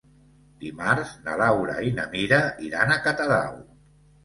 Dimarts na Laura i na Mira iran a Catadau.